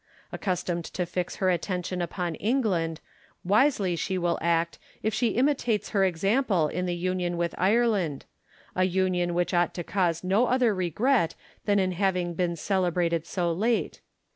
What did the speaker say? Accustomed to fix her attention upon England, wisely will she act if she imitates her example in the union with Ireland ; a union which ought to cause no other regret than in having been celebrated so late.